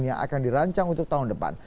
yang akan dirancang untuk tahun depan